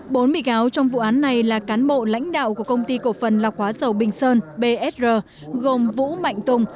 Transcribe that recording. bốn bị cáo trong vụ án này là cán bộ lãnh đạo của công ty cổ phần lọc hóa dầu bình sơn bsr gồm vũ mạnh tùng